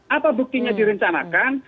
apa buktinya direncanakan